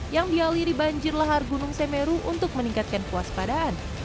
yang dialiri banjir lahar gunung semeru untuk meningkatkan kewaspadaan